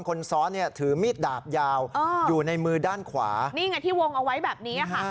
คนซ้อนเนี่ยถือมีดดาบยาวอยู่ในมือด้านขวานี่ไงที่วงเอาไว้แบบนี้ค่ะ